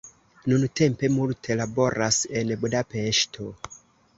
Nuntempe multe laboras en Budapeŝto.